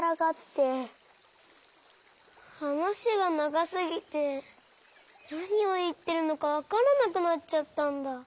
はなしがながすぎてなにをいってるのかわからなくなっちゃったんだ。